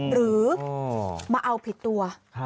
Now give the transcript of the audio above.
หรือมาเอาผิดตัว